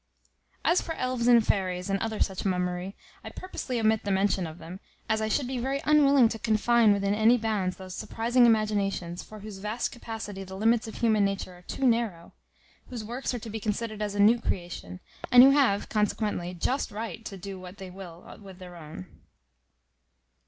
As for elves and fairies, and other such mummery, I purposely omit the mention of them, as I should be very unwilling to confine within any bounds those surprizing imaginations, for whose vast capacity the limits of human nature are too narrow; whose works are to be considered as a new creation; and who have consequently just right to do what they will with their own.